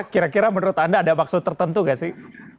kira kira menurut anda ada maksud tertentu nggak sih